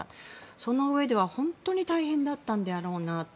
そのうえでは本当に大変だったんだろうなと。